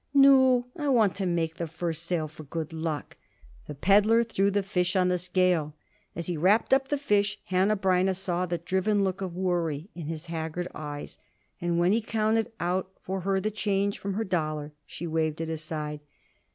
"Nu, I want to make the first sale for good luck." The peddler threw the fish on the scale. As he wrapped up the fish, Hanneh Breineh saw the driven look of worry in his haggard eyes, and when he counted out for her the change from her dollar, she waved it aside.